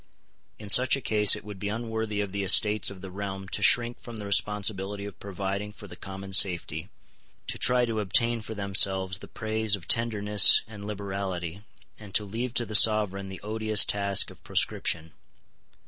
In such a case it would be unworthy of the Estates of the Realm to shrink from the responsibility of providing for the common safety, to try to obtain for themselves the praise of tenderness and liberality, and to leave to the Sovereign the odious task of proscription.